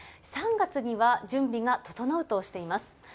３月には準備が整うとしています。